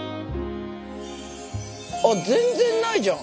あっ全然ないじゃん。